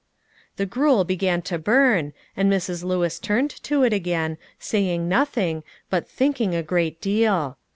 The gruel began to burn, and Mrs. Lewis turned to it again, saying nothing, but thinking a great deal.